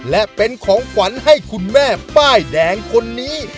และเป็นของขวัญให้คุณแม่ป้ายแดงคนนี้